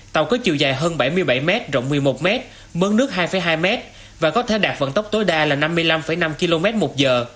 tàu có chiều dài hơn bảy mươi bảy m rộng một mươi một m mơn nước hai hai m và có thể đạt vận tốc tối đa là năm mươi năm năm km một giờ